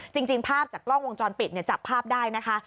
จริงภาพจากกล้องวงจรปิดจับภาพได้นะคะ